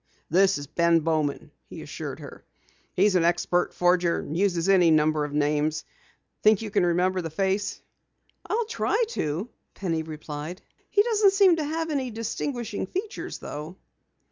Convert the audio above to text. "This is Ben Bowman," he assured her. "He's an expert forger, and uses any number of names. Think you can remember the face?" "I'll try to," Penny replied. "He doesn't seem to have any distinguishing features though."